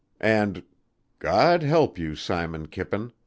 And "God help you, Simon Kippen!"